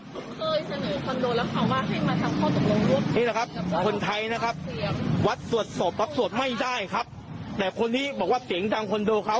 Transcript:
ผมเคยเสนอคอนโดแล้วค่ะว่าให้มาทำข้อตกลงนี่แหละครับคนไทยนะครับวัดตรวจสอบปั๊บสวดไม่ได้ครับแต่คนที่บอกว่าเสียงดังคอนโดเขา